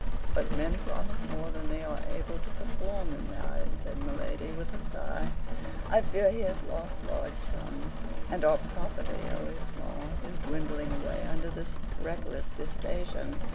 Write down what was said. "But men promise more than they are able to perform in marriage," said my lady, with a sigh. "I fear he has lost large sums; and our property, always small, is dwindling away under this reckless dissipation.